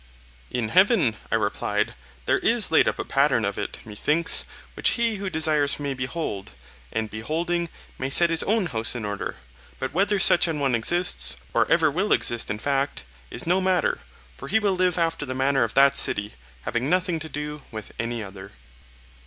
In heaven, I replied, there is laid up a pattern of it, methinks, which he who desires may behold, and beholding, may set his own house in order. But whether such an one exists, or ever will exist in fact, is no matter; for he will live after the manner of that city, having nothing to do with any other.